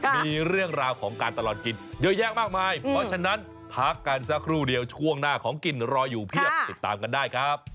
โปรดติดตามตอนต่อไป